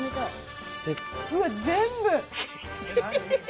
うわっ全部！